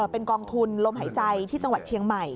เป็นกองทุนลมหายใจที่จังหวัดเชียงใหม่